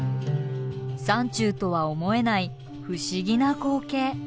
山中とは思えない不思議な光景。